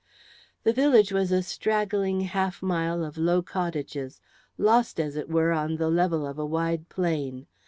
The village was a straggling half mile of low cottages, lost as it were on the level of a wide plain.